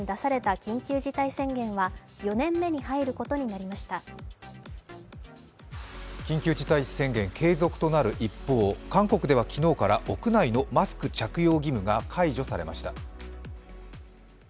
緊急事態宣言継続となる一方、韓国では昨日から屋内のマスク着用義務が解除されました。